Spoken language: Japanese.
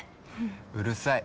想：うるさい。